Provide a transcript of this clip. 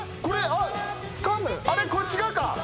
これ違うか。